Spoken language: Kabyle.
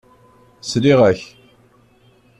Sliɣ-ak.